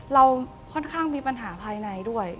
เราค่อนข้างมีปัญหาภายในด้วย